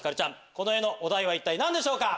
この絵のお題は一体何でしょうか？